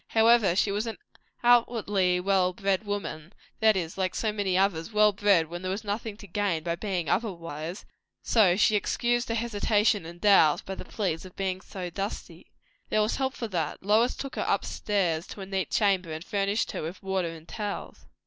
However, she was an outwardly well bred woman; that is, like so many others, well bred when there was nothing to gain by being otherwise; and so she excused her hesitation and doubt by the plea of being "so dusty." There was help for that; Lois took her upstairs to a neat chamber, and furnished her with water and towels.